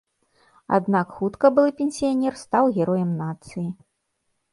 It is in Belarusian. Аднак хутка былы пенсіянер стаў героем нацыі.